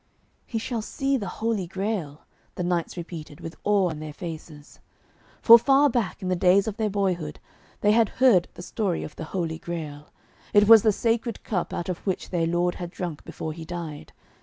'He shall see the Holy Grail,' the knights repeated, with awe on their faces. For far back, in the days of their boyhood, they had heard the story of the Holy Grail. It was the Sacred Cup out of which their Lord had drunk before He died.